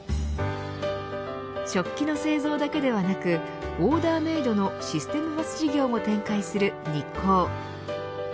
食器の製造だけではなくオーダーメードのシステムバス事業も展開するニッコー。